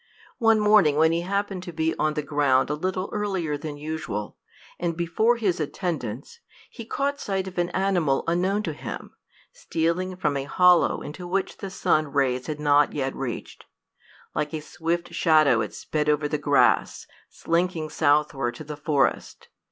One morning, when he happened to be on the ground a little earlier than usual, and before his attendants, he caught sight of an animal unknown to him, stealing from a hollow into which the sun rays had not yet reached. Like a swift shadow it sped over the grass, slinking southward to the forest.